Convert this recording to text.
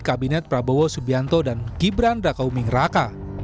kabinet prabowo subianto dan gibran rakauming raka